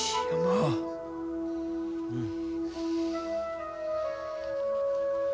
うん。